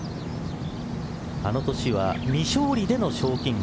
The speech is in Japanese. あの年は未勝利での賞金王。